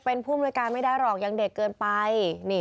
เป็นผู้อำนวยการไม่ได้หรอกยังเด็กเกินไป